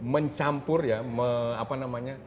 mencampur ya apa namanya